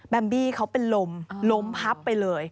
แบมบี้เขาไปลมลมพับไปเลย